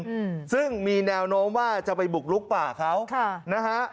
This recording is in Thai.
อืมซึ่งมีแนวโน้มว่าจะไปบุกลุกป่าเขาค่ะนะฮะ